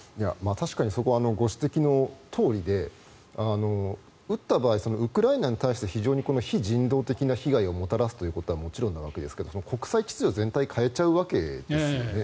確かにそこはご指摘のとおりで撃った場合はウクライナに対して非人道的な被害をもたらすということはもちろんなわけですが国際秩序自体を変えちゃうわけですね。